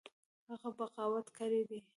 هغه بغاوت کړی دی.